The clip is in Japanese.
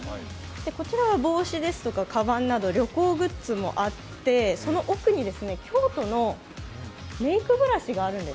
こちらは帽子やかばんなど旅行グッズもあって、その奥に京都のメークブラシがあるんです。